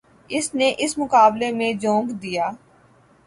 اس نے اس مقابلے میں جھونک دیا۔